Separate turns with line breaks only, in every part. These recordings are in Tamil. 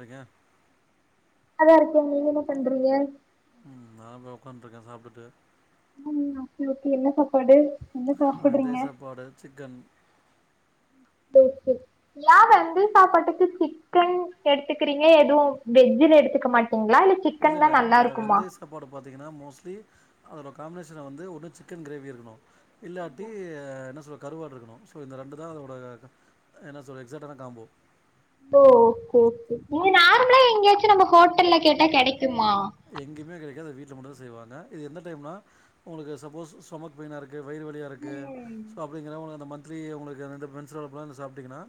அக்க
அதா இருக்க நீங்க என்ன பண்றீங்க
ம் நா உக்காண்ருக்கே சாப்டுடு
ம் ஓகே ஓகே என்ன சாப்பாடு
வெந்தய சாப்பாடு சிக்கன்
சேரி சேரி ஏ வெந்தய சாப்பாட்டுக்கு சிக் சகன் எடுத்துக்கிறீங்க எது வெஜ்ஜில எடுத்துக்க மாட்டீங்களா இல்ல சிக்கன்லா நல்லா இருக்குமா
சாப்பாடு பாத்தீங்கன்னா மோஸ்ட்லி அதோட காம்பினேஷன வந்து ஒன்னு சிக்கன் கிரேவி இருக்கணு இல்லாட்டி என்ன சொல்ற கருவாடு இருக்கணு ஸோ இந்த ரெண்டு தா அதோட என்ன சொல்றது எக்ஸக்ட்டான காம்போ
ஓ ஓகே ஓகே நீங்க நார்மலா எங்கேயாச்சு நம்ம ஹோட்டல்ல கேட்டா கெடைக்குமா
எங்கயுமே கெடைக்காது வீட்ல மட்டுதா செய்வாங்க இது எந்த டைம்னா உங்களுக்கு சப்போஸ் ஸ்டொமக் பெயினா இருக்கு வயிறு வழியா இருக்கு ஸோ அப்டிங்கிற உங்க அந்த மந்திலி உங்களுக்கு வந்து பென்சன்லளப்பலா இந்த ச பாத்திங்கனா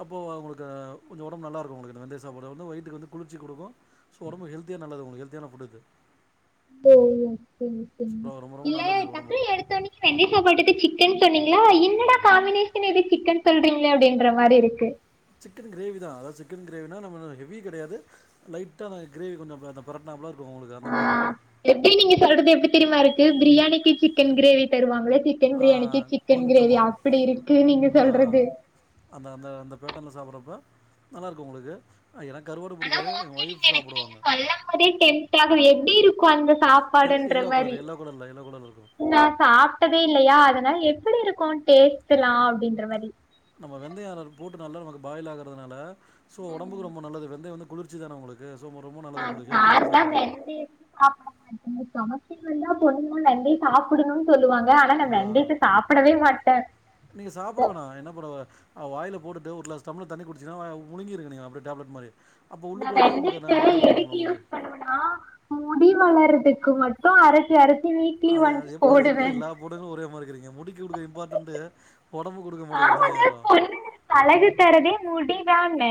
அப்போ உங்களுக்கு கொஞ்ச உடம்ப நல்லா இருக்கு வெந்தய சாப்பாடு வயித்துக்கு வந்து குளிர்ச்சி குடுக்கு ஸோ ஒடம்பு ஹல்தியா நல்லது உங்க ஹல்த்தியான ஃபுட் இது
[unintelligible] இல்ல டக்குன் எத்தோனே வெந்தய சாப்பாட்டுக்கு ஜிக்கன் சொன்னீங்களா என்னடா காம்பினேஷன் எது ஜிக்கன் சொல்றீங்களே அப்டின்ற மாரி இருக்கு
ஜிக்கன் கிரேவி தா அதா ஜிக்கன் கிரேவினா நம்ம ஹெவி கெடையாது லைட்டா கிரேவி கொஞ்சோம் புரட்னாப்லா தோனுது அந்த மாரி
எப்டி நீங்க சொல்றது எப்டி தெரியுமா இருக்கு பிரியாணிக்கு ஜிக்கன் கிரேவி தருவாங்கள சி டென் பிரியாணிக்கு ஜிக்கன் கிரேவி அப்டி இருக்கு நீங்க சொல்றது
அந்த அந்த அந்த பேட்டன்ல சாப்புட்றப்ப நல்லாயிருக்கும் உங்களுக்கு அ எனக்கு கருவாடு புடிக்காது ஒய்ஃப் சாப்படுவாங்க
அதே டெம்டாகவே எப்டி இருக்கும் அந்த சாப் பாடுன்ற மாரி நா சாப் ட்டதே இல்லையா அதனால எப்பிடி இருக்கும் டேஸ்ட்லா அப்பிடின்ற மாரி
நம்ம வெந்தய அர பூண்டு நல்ல நமக் பாயில் ஆகுறதுனால சோ ஒடம்புக்கு ரொம்ப நல்லது வெந்தயம் வந்து ஞ்சி தான ஒங்களுக்கு சோ ரொம்ப ரொம்ப நல்லது உங்களுக்கு ஹெல்த்தியான சாப்பாடு
[unintelligible] சாப்புடணும் சொல்லுவாங்க ஆனா நா வெந்தயத்த சாப்டவே மாட்ட
நீங்க சாப்ட வேணா என்ன புடவ அ வாயில போட்டுட்டு ஒரு கிளாஸ் டம்ளர் தண்ணி குடிச்சிங்கனா முழுங்கிருங்க நீங்க அப்டியே டேப்லெட் மாரி அப்போ உள்ளுக்குள்ளவே உங்களுக்கு ந நல்லது பண்ணுங்கள ஒங்களுக்கு
முடி வளரதுக்கு மட்டும் அரச் அர
அது அது எப்பே எப்பிடி எல்லா பொண்ணுங்களு ஒரே மாரி இருக்கிறீங்க முடிக்கி குடுக்குரே இம்பார்ட்டன்ட் ஒடம்பு குடுக்
ஆமாங்க பொண்ணுங்க தழகு தரதே மூடி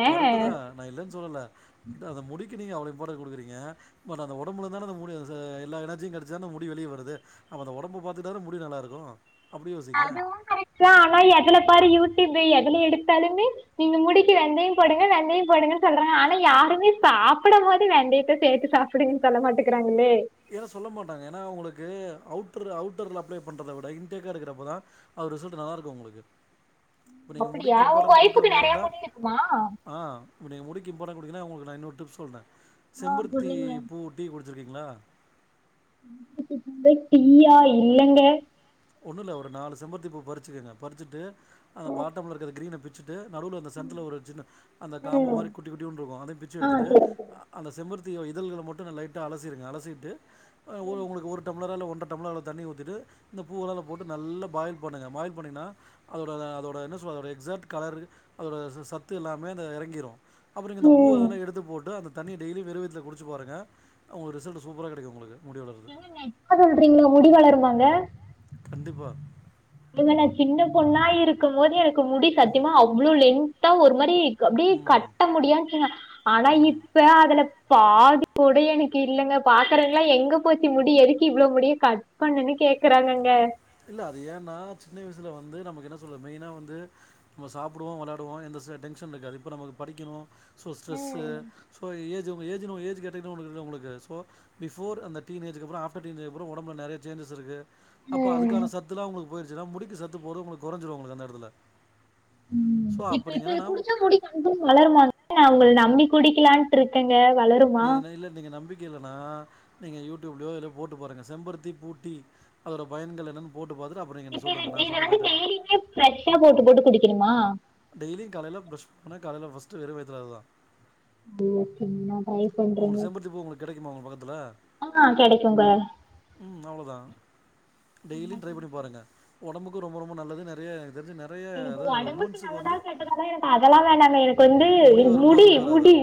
கரெக்ட்டு தா நா இல்லேன் சொல்லல அதேமுடிக்கு நீங்க அவ்வள இம்பார்டெண் குடுக்கிறீங்க பட் அத ஒடம்புல தான அந்த முடி ச எல்லா எனர்ஜியும் கடைச்சா அந்த முடி வெளிய வருது அப்போ அந்த ஒடம்பு பாத்துகிட்டாதான முடி நல்லாருக்கும்
அதுவும் கரொட்டு தா ஆனா எதுல பாரு யூடியூப் எதுலே எடுத்தாலுமே நீங்க முடிக்கு வெந்தயம் போடுங்க வெந்தயம் போடுங்க சொல்றாங்க ஆனா யாருமே சாப்படும் போது வெந்தயத்த சேத்து சாப் அப்டின் சொல்ல மாட்டுக்கிறாங்களே
ஏன்னா சொல்ல மாட்டாங்க ஏனா அவங்களுக்கு அவுட்ரு அவுட்டர்ல அப்ளே பண்றத விட இன்டேக்கா எடுக்க்கிறப்பதா அதோட ரிசல்ட்டு நல்லாருக்கும் ஒங்களுக்கு
அப்பிடியா உங்க வைஃப்க்கு நறைய முடி இருக்குமா
போ நீங்க முடிக்கி இம்போர்ட்டண்ட் கொடிங்கனா ஒங்களுக்கு இன்னொரு டிப்ஸ் சொல்ற செம்பருத்தி பூ டீ குடிச்சருக்கீங்களா
செம்பரு டீ யா இல்லங்க
ஒன்னு இல்ல ஒரு நாலு செம்பர்த்தி பூ பறிச்சிகேங்க பறிச்சுட்டு ஆ பாட்டம்ல இருக்கற கிரீன பி ச்சிட்டு நடுவுல அந்த சென்டர்ல ஒரு ஜின்ன அந்த காம்பு மாரி குட்டி குட்டியோன்ட்ருக்கும் அத பிச்சி எடுத்துட்டு அந்த செம்பருத்திய இதழ்கள மட்டும் லைட்டாக அலசிடுங்க அலசிட்டு அ ஒ ஒங்களுக்கு ஒரு டம்ளர்ரா ஒன்ற டம்ளர் அள தண்ணி ஊத்திட்டு இந்த பூவுெலா போட்டு நல்லா பாயில் பண்ணுங்க பாயில் பண்ணிகன்னா அதோட அதோட என்ன சொல்ல அதோட எக்ஃசாக்ட் கலரு அதோட சத்து எல்லாமே அத எறங்கிரும் அப்புறங்க இந்த பூவே அதெல்லா எடுத்து போட்டு அந்த தண்ணிய டெய்யி வெறு வயித்துல குடிச்சி பாருங்க ரிசல்ட்டு சூப்பராக கேடேக்கும் ஒங்களுக்கு முடி வளறது
சொல்றீங்கே முடி வளருவாங்க
கண்டிப்பா
ஏங்க நா ஜின்னே பொண்ணா இருக்கும் போது எனக்கு முடி சத்தியமா அவ்லே லென்தா ஒரு மாரி அப்பிடி கட்ட முடியாருக்குங்க ஆனா இப்ப அதுல பாதி கூட எனக்கு இல்லலங்க பாக்குறங்கல்லா எங்க போச்சி முடி எதுக்கு இவ்ள முடிய கட் பண்ணன்னு கேக்குறாங்கங்க
இல்ல அதுக்கு ஏன்னா சின்ன வயசுலே வந்து நமக்கு என்ன சொல்றது மெயின்னா வந்து நம்ம சாப்டுவோன் வெளாடுவோன் எந்த டென்ஷன் இருக்காது இப்போ நமக்கு படிக்கணு ஸோ ஸ்ட்ரெஸ்ஸு சோ ஏஜ் உங்க ஏஜ் ஏஜ் கேட்டகிரி ஒன்னு இருக்குல உங்களுக்கு சோ பிஃபோர் அந்த டீனஜ்க்கு அப்புரோ ஆப்டர் டீனேஜ்க்கு அப்றோ உடம்ல நெறையா சேஞ்சஸ் இருக்கு இப்ப அதுக்கான சத்துலா உங்களுக்கு போயிருச்சுன்னா முடிக்கு சத்து போரது உங்களுக்கு கொறைஞ்சிரு உங்களுக்கு அந்த எடத்துலே
ம் இப்ப இப்ப இத குடிச்சா முடி கண்டிப்பா வளருவாங்கே ஒங்களே நம்பி குடிக்கலான் ட்ருக்கங்கே வளருமா
இல்ல நீங்க நம்பி இல்லேனா நீங்கே யூடியூப்லோ போட்டு பாருங்கே செம்பருத்தி பூட்டி அதோட பயன்கள் என்னன் போட்டு பாத்துட்டு அப்புறோ என்கிட்ட சொல்லுங்கே நா சொன்னது கரெக்ட்டா இல்லையானு
ஃப்ரெஷ்ஷா போட்டு போட்டு குடிக்குணுமா
டெய்லி காலைலே ப்ரெஷ் பண்ணா காலலே ஃபஸ்ட் வேறு வைத்துள்ள அதுதா உங்ளுக்கு செம்பருத்தி பூ உங்களுக்கு கெடைக்குமா உங்க பக்கத்துலே ம் அவ்ளோதா டெய்லியு ட்ரை பண்ணி பாருங்க ஒடம்புக்கு ரொம்ப ரொம்ப நல்லது நெறைய தெரிஞ்சு நெறைய உமன்
நல்லத கேட்டதாலா எனக்கு அதெல்லா வேணாங்க எனக்கு வந்து முடி முடி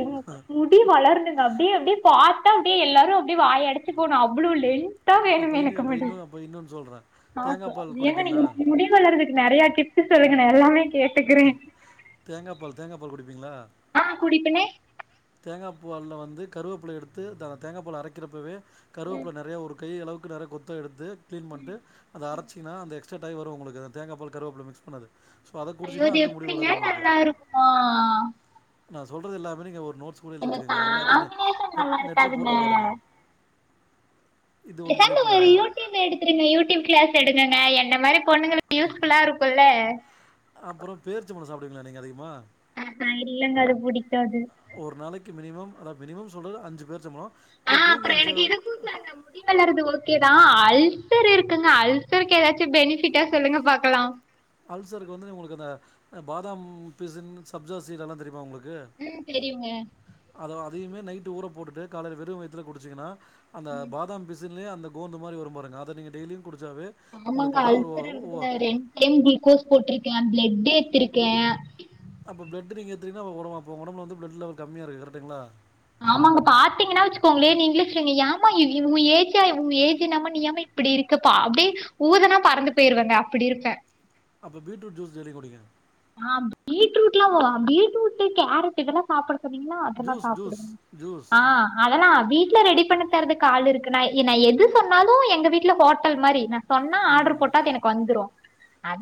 முடி வளர்னுங்க அப்டி அப்டி பாத்தா அப்டெ எல்லாரு அப்டெ வாய அடச்சு போணு அவ்ளோ லெந்த் த்தா வேணுங்க எனக்கு முடி ஆச ஏங்க நீங்க முடி வலரதுக்கு நெறயா டிப்ஸு சொல்லுங்க நா எல்லாமே கேட்டுக்றே
தேங்கா பால் தேங்கா பால் குடுப்பீங்களா
ஆன் குடிப்பனே
தேங்கா பால் வந்து கருவேப்பில்லேயே எடுத்து அந்த தேங்க பால் அரேக்கிறப்பவே கருவேப்பிலலே நெறையா ஒரு கை அளவுக்கு நறைய கொத்தா எடுத்து க்ளீன் பண்ணிட்டு அத அரச்சிங்னா அந்த எக்ஸ் சட் ஆய் வருன் உங்களுக்கு தேங்கா பால் கருவப்ல மிக்ஸ் பண்ணது சொ அத
ஐயோ அது எப்டிங்க நல்லா இருக்கு
நா சொல்றது எல்லாம நீங்க ஒரு நோட்ஸ் கூட எழ்தச்சுக்கோங்க எல்லாத்தையு நெட் நெட்ல போட்டு பாருங்க
பெசாண்டு ஒரு யூடியூப் எடு துருங்க யூடியூப் க்ளாஸ் எடுங்கங்க என்ன மாரி பொண்ணுங்களுக் யூஸ்ஃபுல்லா இருக்குல்ல
அப்ற பேர்ச்சம்பழ சாப்டுங்ளா நீங்க அதிகமா
அ அ இல்லங்க அது புடிக்காது
ஒரு நாளைக்கு மினிமம் அதா மினிமம் சொல்றது அஞ்சு பேர்ச்சம்பழோ இல்ல தூங்கி எஞ்ச
முடி வளறது ஓகேதா அல்சர் இருக்குங்க அல்சர்க்கு ஏதாச்சு பெனிஃபிட்டா சொல்லுங்க பாக்கலா
அல்சருக்கு வந்து உங்களுக்கு அந்த பாதாம் பிசின் சப்ஜா சீடெல்லா தெரியுமா உங்களுக்கு
ம் தெரியுங்க
அத அதையுமே நைட் ஊர போட்டுட்டு காலையில வெறு வய்த்துல குடிச்சுங்கன்னா அந்த பாதாம் பிசின்லே அந்த கோந்து மாரி வரும் பாருங்க அத நீங்க டெலியு குடிச்சாவே
ஆமாங்க அல்சர் இருக்குதுங்க ரெண்டு டைம் குளுகோஸ் போட்ருக்கே ப்ளெட் ஏத்துருக்கே
அப்ப ப்ளட் நீங்க எத்ரிங்னா அப்ப உட அப்ப உடம்ப்ல வந்து ப்ளெட் லெவல் கம்மிய இருக்கு கரக்டங்ளா
ஆமாங்க பாத்தீங்கன்னா வச்சுக்கோங்களே நீங்ளே சொல்வீங்க ஏமா உ ஏஜ உ ஏஜ் என்னாமா நீ ஏன் இப்டி இருக்குப்பா அப்டியே ஊதுனா பறந்து போயிருவெங்க அப்டி இருப்பேன்
அப்ப பீட்ரூட் ஜூஸ் டெய்லி குடிங்க
ஆ பீட்ரூட்லா பீட்ரூட் கேரட் இதெல்லா சாப்படு சொன்னீங்னா அதெல்லா சாப்பிடுவங்க ஆ அதல்லா வீட்ல ரெடி பண்ண தரதுக்கு ஆள் இருக்குன்னா நா எது சொன்னாலு எங்க வீட்ல ஹோட்டல் மாரி நா சொன்னா ஆடர் போட்டாக்கு எனக்கு வந்துரு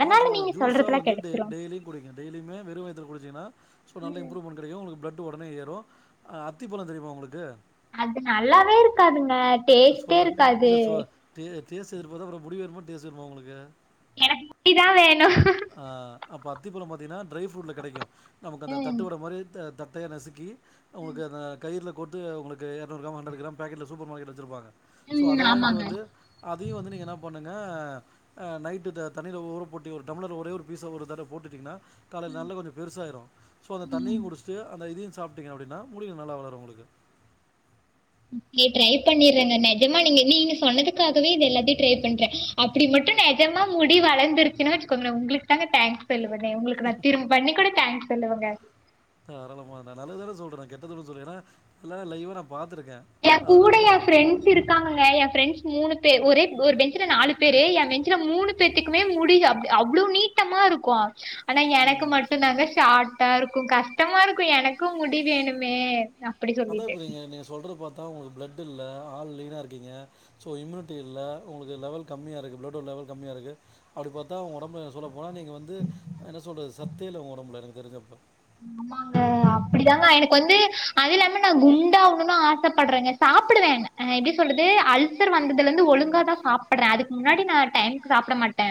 அதா சொல்றது ஜூஸா வந்து டு டெலியு குடிங்க டெய்லியுமே வெரு வைத்துல குடிச்சிங்கன்னா சோ நல்லா இம்ப்ரூ [unintelligible] கிடைக்கு உங்களுக்கு பிளட்டு உடனே ஏறு அத்திப்பழோ தெரிமா உங்களுக்கு
அது நல்லாவே இருக்காதுங்க டேஸ்டே இருக்காது
தே தேஸ்சு எதிர்பாத்த அப்பறோ முடி வேணுமா டேஸ் வேணுமா உங்களுக்கு
எனக்கு முடி தா வேணு
அ அப்ப அத்திப்பழோ பாத்தின்னா ட்ரை ஃப்ரூட்ல கெடைக்கு நமக்கு அந்த தட்டு வட மாரி த தட்டையா நசுக்கி உன்க்கு அந்த கயிற்ல கோத்து உங்களுக்கு இருநூரு க்ராம் ஹண்ட்ரட் கிராம் பேக்கெட்ல சூப்பர் மார்கெட்ல வெச்சிருப்பாங்க சோ அத வாயின்ட் வந்து அதயு வந்து நீங்க என்னா பண்ணுங்க அ நைட்டு த தண்ணீல ஊர போட்டி ஒரு டம்ளர்ல ஒரே ஒரு பீஸ ஒரு தர போட்டுட்டீங்கன்னா காலைல நல்லா கொஞ்ச பெருசாயிறு ஸோ அந்த தண்ணீயூ குடிஷ்ட்டு அந்த இதியு சாப்ட்டிங்க அப்டின்னா மூடி நல்லா வளரு உங்களுக்கு
ம் [unintelligible] ட்ரை பண்ணிர்றேங்க நெ ஜமா நீங்க நீங்க சொன்னதுக்காகவே இது எல்லாத்தையு ட்ரை பண்ற அப்டி மட்டு நெஜமா முடி வளந்துருச்சுன்னா வச் கோங்க நா உங்களுக்கு தாங்க தேங்க்ஸ் சொல்லுவணே உங்களுக்கு நா திரும்ப பண்ணி கூட தேங்க்ஸ் சொல்லுவங்க
தாராளமா நா நல்லது தான சொல்றே கெட்டது ஒன்னு சொல் ஏன்னா நல்லா லைவ்வா நா பாத்துருக்க
ஏ கூட ஏ ஃப்ரெண்ட்ஸ் இருக் காங்க ஏ பிரண்ட்ஸ் மூணு பே ஒரே ஒரு பெஞ்ச்சுல நாலு பேரு ஏ பெஞ்ச்சுல மூணு பேர் த்துக்குமே முடி அப் அவ்ளோ நீட்டமா இருக்கு ஆனா எனக்கு மட்டு தாங்க ஷாட்டா இருக்கு கஷ்டமா இருக்கு எனக்கு முடி வேணுமே
அதா இப்ப நீங்க நீங்க சொல்ற பாத்தா உங்களுக்கு பிளட் இல்ல ஆள் லீனா இருக்கீங்க சோ இம்யூனிட்டி இல்ல உங்களுக்கு லெவல் கம்மியா இருக்கு பிளடோட லெவல் கம்மியா இருக்கு அப்டி பாத்தா ஒடம்பே சொல்லப் கொழந்தைங்க வந்து என்ன சொல்றது சத்தே இல்ல ஊ ஒடம்புல எனக்கு தெரிஞ்சு அப்ப
ஆமாங்க அப்படிதாங்க எனக்கு வந்து அது இல்லாம நா குண்டாகணுன் ஆசப்படறங்க சாப்புடுவேங்க அ எப்டி சொல்றது அல்சர் வந்ததுல இருந்து ஒழுங்கா தா சாப்பட்றே அதுக்கு முன்னாடி நா டைம்க்கு சாப்பட மாட்டே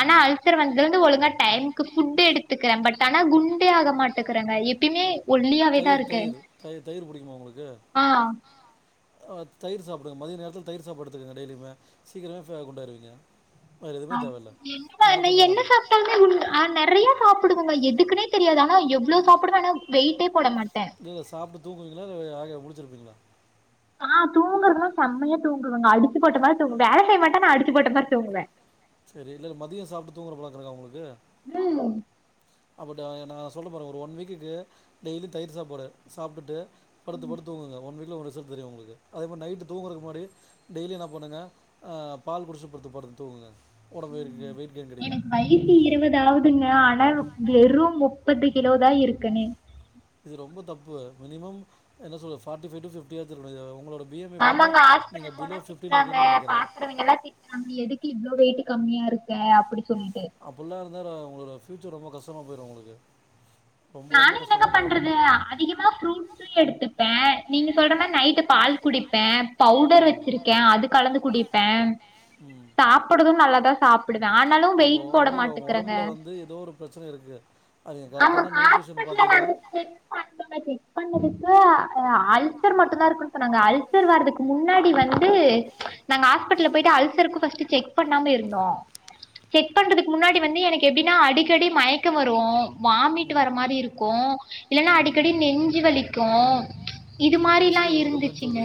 அனா அல்சர் வந்ததுலந்து ஒழுங்கா டைம்க்கு ஃபுட் எடுத்துக்கற பட் அனா குண் டே ஆக மாட்டக்கறங்க எப்பயிமே
தயிர் தயிர் தயிர் தயிரு பிடிக்குமா உங்களுக்கு ஆ தயிர் சாப்டுங்க மதிய நேரத்துல தயிர் சாப்பாடு எடுத்துக்கங்க டெய்லியுமே சீக்கரமே பா குண்டாயிருவீங்க
ஆ [inaudible] நா என்ன என்ன சாப்ட்டாலுமே குண் நா நெறைய சாப்புடுவங்க எதுக்குனே தெரியாது அனா எவ்ளோ சாப்புடுவே அனா வெயிட்டே போட மாட்டே
சாப்ட்டு தூக்குவீங்களா இல்ல யாக முளிச்சிருப்பீங்களா
ஆ தூங்கறதுலா செம்மையா தூங்குவங்க அடிச்சு போட்ட மாரி தூங்க வேல செய்ய மாட்ட நா அடிச்சு போட்ட மாரி தூங்குவே
செரி இல்லங்க மதியோ சாப்ட்டு தூங்கற பழக்கோ இர்க்கா உங்களுக்கு
ம்
அப்பட்ட எ நா சொல்ற பாருங்க ஒரு ஒன் வீக்குக்கு டெய்லியு தயிர் சாப்பாடு சாப்புட்டு படுத்து படுத்து தூங்குங்க ஒன் வீக்ல உங்க ரிசல்ட் தெரியூ உங்களுக்கு அதே மார் நைட்டு தூங்கறதுக்கு முன்னாடி டெய்லியூ என்ன பண்ணுங்க அ பால் குடிச்ட்டு படுத்து படுத்து தூங்குங்க ஒடம்பு ஏரி வெயிட் கெயின் கெடைக்கு
வயசு இருவதாவுதுங்க ஆனா வெறு முப்பது கிலோ தா இருக்கனே
இது ரொம்ப தப்பு மினிமம் என்ன சொல் ஃபாட்டி ஃபைவ் டூ ஃபிப்ட்டியாச் இருக்கனு இது உங்களோட
ஆமாங்க ஹாஸ்பிட்டல் போனா திட்றாங்க பாக்கறவிங்கல்லா திட் நம்ம எதுக்கு இவ்ளோ வெயிட் கம்மியா இருக்க அப்புடி சொல்ட்டு
அப்பல்லா இருந்தா ரா உங்களோட ஃபயூச்சர் ரொம்ப கஷ்ட்டமா போயிரு உங்களுக்கு
நானு என்னங்க பண்றது அதிக மா ஃப்ரூட்ஸு எடுத்துப்பே நீங்க சொல்ற மாரி நைட்டு பால் குடிப்பே பவுடர் வெச்சிருக்கே அது கலந்து குடிப்பே சாப்படுதும் நல்லாதா சாப்புடுவே ஆனாலு வெயிட் போட மாட்டுக்கிறங்க
அது கரெட்டான நியூட்ரிஷன் பாத்தீங்கினா
[unintelligible] [unintelligible] அல்சர் மட்டுந்தா இருக்குன் சொன்னாங்க அல்சர் வர்துக்கு முன்னாடி வந்து நாங்க ஹாஸ்பிட்டல போயிட்டு அல்சர்க்கு ஃபஸ்ட்டு செக் பண்ணாம இருந்தோ செக் பண்றதுக்கு முன்னாடி வந்து எனக்கு எப்டினா அடிக்கடி மயக்கோ வரு வாம் ட்டு வர மாரி இருக்கு இல்லனா அடிக்கடி நெஞ்சி வலிக்கு இது மாரிலா இருந்துச்சிங்க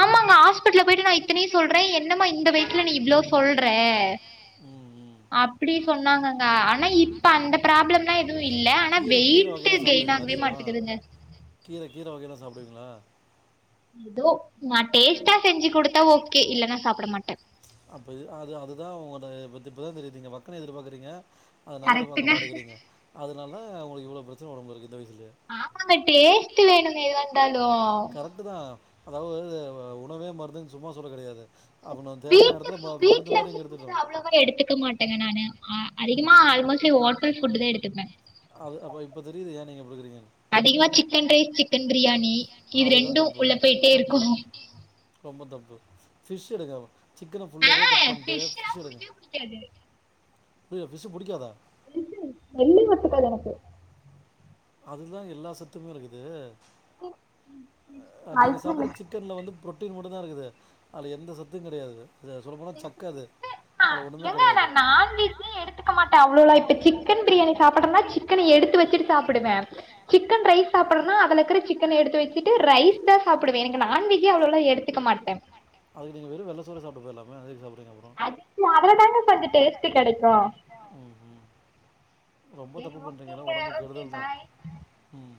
ஆமாங்க ஹாஸ்பிட்டல்ல போயிட்டு நா இத்தனையு சொல்றே என்னம்மா இந்த வயிச்ல நீ இவ்ளோ சொல்றே
ம்
அப்டி சொன்னாங்கங்க ஆனா இப்ப அந்தப் ப்ராப்ளம்லா எதுவு இல்ல ஆனா வெயிட்டு கெயினாகவே மாட்டுகுதுங்க
கீர கீர வகைலா சாப்டுவீங்ளா
எதோ நா டேஸ்ட்டா செஞ்சு குடுத்தா ஓகே இல்லனா சாப்ட மாட்டே
அப்ப இது அது அதுதா உங்கடைய பத்தி இப்பதா தெரிது நீங்க வக்கன எதிருபாக்குறீங்க அத நல்லத பாக்க மாட்டுகுறீங்க அதனால உங்குளு இவ்ளோ பிரச்சன ஒடம்ல இருக்கு இந்த வயிசுலியே
ஆமாங்க டேஸ்ட்டு வேணுங்க எதுவா இந்தாலு
ட்டுதா தா அதாவ்து தேவு உணவே மருந்துன் சும்மா சொல்ல கெடையாது அப்போ நம் தேவையான எடத்துல ம மருந்து மாரி [unintelligible]
அவ்ளோவா எடுத்துக்க மாட்டேங்க நானு அ அதிகமா ஆல்மோஸ்ட்லி ஹோட்டல் ஃபுட்டுதா எத்துப்பே
அது அப்ப இப்ப தெரியிது ஏ நீங்க இப்டுகுறீங்கன்
அதிகமா சிக்கன் ரைஸ் சிக்கன் பிரியாணி இது ரெண்டு உள்ள போய்ட்டே இருக்கு
ரொம்ப தப்பு ஃபிஷ் எடுங்க சிக்கன ஃபுல்லாவே கட் பண்டு ஃபிஷ் எடுங்க புரிய ஃபிஷு புடிக்காதா
ம் ம் எல்லி ஒத்துகாது எனக்கு
அதுதா எல்லா சத்துமே இருகுது அ நீங்க சாப்பற சிக் கன்ல வந்துப் ப்ரோட்டீன் மட்டுதா இருகுது அதுல எந்த சத்துங் கெடையாது அது சொல்ல போனா சக்க அது அதுல ஒன்னுமே கெடையாது
னி எடுத்துக்க மாட்டே அவ்ளோலா இப்ப சிக்கன் பிரியாணி சாப்பட்றனா சிக்கன எடுத்து வெச்சுட்டு சாப்புடுவே சிக்கன் ரைஸ் சாப்பிர்றனா அதல இக்கற சிக்கன எடுத்து வெச்சிட்டு ரைஸ்தா சாப்புடுவே எனக்கு நான்வெஜ்ஜே அவ்ளோலா எடுத் த்துக்க மாட்டே
அதுகு நீங்க வெறு வெள்ள சோறே சாப்டு போயில்லாமே அது எதுக் சாப்புறீங்க அப்றோ
அதுலதாங்க கொஞ்சோ டேஸ்ட்டு கெடைக்கு
ம் ம் ரொம்ப தப்பு பண்றீங்க எனா ஒடம்புக் கெடுதல்தா ம்